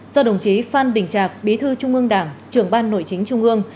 do đồng chí phan đình trạc bí thư trung ương đảng trưởng ban nội chính trung ương